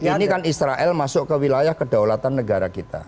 ini kan israel masuk ke wilayah kedaulatan negara kita